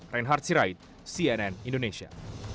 reinhard sirait cnn indonesia